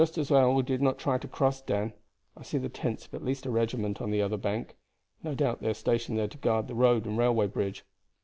"It is just as well we did not try to cross, Dan. I see the tents of at least a regiment on the other bank. No doubt they are stationed there to guard the road and railway bridge.